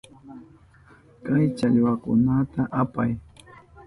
Kay challwakunata apay.